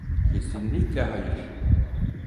Kesinlikle hayır.